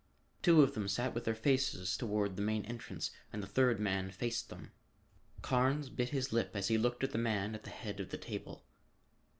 Two of them sat with their faces toward the main entrance and the third man faced them. Carnes bit his lip as he looked at the man at the head of the table.